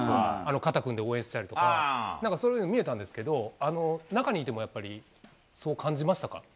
肩組んで応援したりとか、なんかそういうの見えたんですけど、中にいてもやっぱり、そう感じましたか。